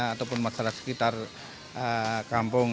ataupun masyarakat sekitar kampung